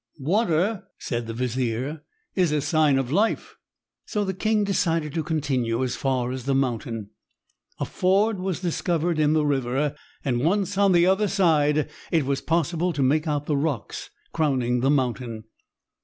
"Water," said the vizier, "is a sign of life." So the king decided to continue as far as the mountain. A ford was discovered in the river, and once on the other side it was possible to make out the rocks crowning the mountain.